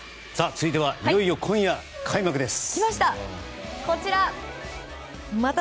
続いてはいよいよ今夜開幕です。